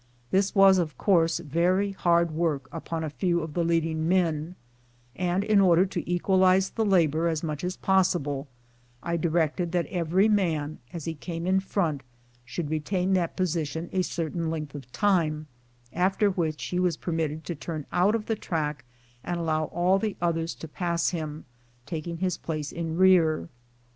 This was, of course, very hard work upon a few of the leading men ; and, in order to equalize the labor as much as possi ble, I directed that every man, as he came in front, should retain that position a certain length of time, after which he was permitted to turn out of the track and allow all the others to pass him, taking his place in rear.